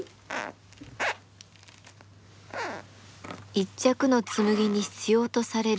一着の紬に必要とされる